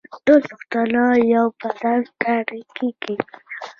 ټول پښتانه یو بدن ګڼل کیږي.